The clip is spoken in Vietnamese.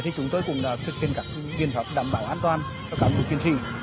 thì chúng tôi cũng thực hiện các biện pháp đảm bảo an toàn cho cán bộ chuyên sĩ